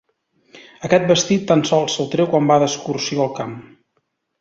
Aquest vestit tan sols se'l treu quan va d'excursió al camp.